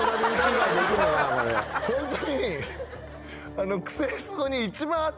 ホントに。